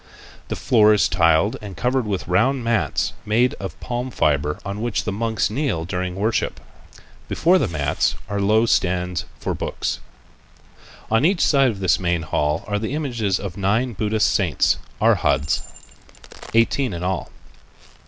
The floor is tiled and covered with round mats made of palm fiber on which the monks kneel during worship. Before the mats are low stands for books. On each side of this main hall are the images of nine Buddhist saints (arhats), eighteen in all.